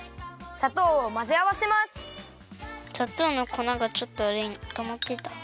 さとうのこながちょっとうえにたまってた。